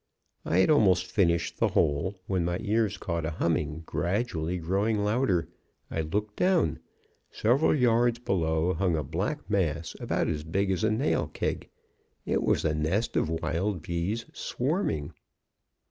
"I had almost finished the hole, when my ears caught a humming, gradually growing louder. I looked down. Several yards below hung a black mass about as big as a nail keg. It was a nest of wild bees swarming.